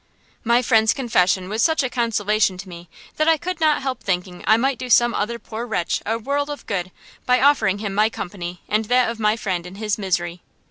My friend's confession was such a consolation to me that I could not help thinking I might do some other poor wretch a world of good by offering him my company and that of my friend in his misery.